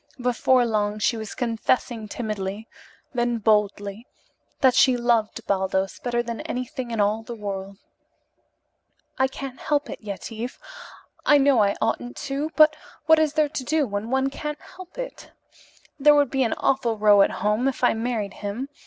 Before long she was confessing timidly, then boldly, that she loved Baldos better than anything in all the world. "I can't help it, Yetive. I know I oughtn't to, but what is there to do when one can't help it? There would be an awful row at home if I married him.